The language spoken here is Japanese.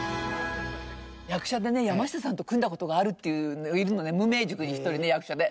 役者でね山下さんと組んだ事があるっていういるのね無名塾に１人ね役者で。